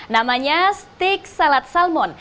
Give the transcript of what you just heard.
namanya steak salad salmon